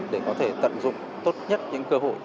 để có thể tận dụng tốt nhất những cơ hội